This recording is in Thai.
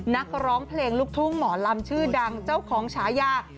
นักร้องเพลงลูกทุ่งหมอลำชื่อดังเจ้าของฉายา